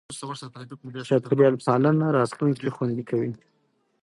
چاپېریال پالنه راتلونکی خوندي کوي.